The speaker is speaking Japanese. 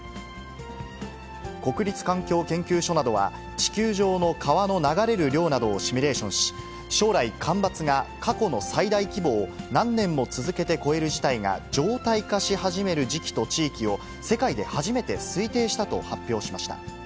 国立環境研究所などは、地球上の川の流れる量などをシミュレーションし、将来、干ばつが過去の最大規模を何年も続けて超える事態が常態化し始める時期と地域を世界で初めて推定したと発表しました。